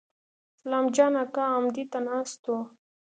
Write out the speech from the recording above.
سلام جان اکا امدې ته ناست و.